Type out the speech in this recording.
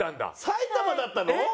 埼玉だったの？